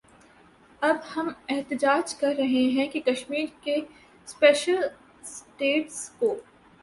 اب ہم احتجاج کر رہے ہیں کہ کشمیر کے سپیشل سٹیٹس کو